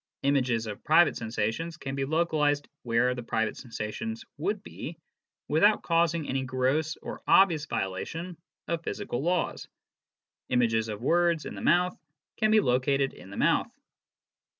Images of private sensations can be localized where the private sensations would be, without causing any gross or obvious violation of physical laws. Images of words in the mouth can be located in the mouth.